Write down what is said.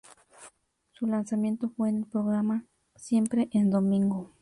Su lanzamiento fue en el programa "Siempre en Domingo".